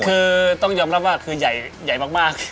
คือต้องยอมรับว่าคือใหญ่มาก